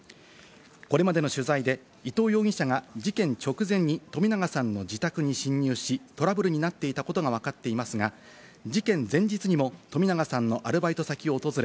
これまでの取材で伊藤容疑者が事件直前に冨永さんの自宅に侵入し、トラブルになっていたことがわかっていますが、やさしいマーン！！